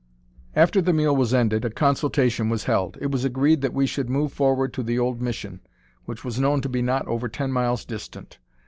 After the meal was ended, a consultation was held. It was agreed that we should move forward to the old mission, which was known to be not over ten miles distant.